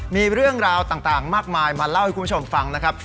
มีเรื่องราวต่างมากมายมาเล่าให้คุณผู้ชมฟังนะครับ